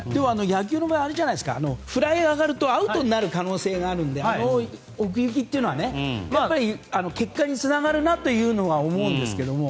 野球の場合フライが上がるとアウトになる可能性があるので奥行きというのは結果につながるなとは思うんですけどね。